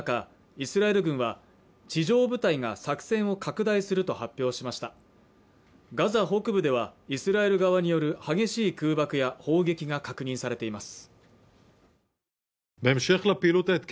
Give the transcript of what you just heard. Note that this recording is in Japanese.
イスラエル軍は地上部隊が作戦を拡大すると発表しましたガザ北部ではイスラエル側による激しい空爆や砲撃が確認されています